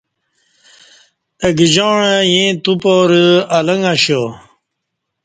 اہ گجاعں ییں تو پارہ النگ اَشا